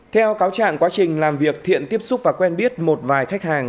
theo cáo trạng quá trình làm việc thiện tiếp xúc và quen biết một vài khách hàng